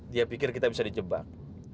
dia pikir kita bisa di jebak